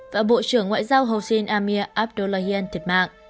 và bộ trưởng ngoại giao housin amir abdullahian thiệt mạng